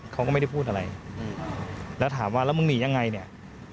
เขาก็ไม่ได้พูดอะไรแล้วถามว่าแล้วมึงหนียังไงเนี่ย